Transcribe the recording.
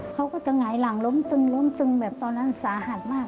เขาก็จะหงายหลังล้มตึงล้มตึงแบบตอนนั้นสาหัสมาก